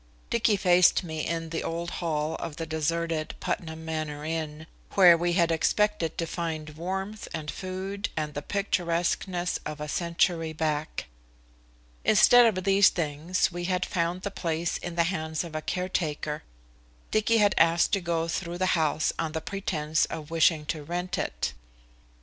Dicky faced me in the old hall of the deserted Putnam Manor Inn, where we had expected to find warmth and food and the picturesqueness of a century back. Instead of these things we had found the place in the hands of a caretaker. Dicky had asked to go through the house on the pretence of wishing to rent it.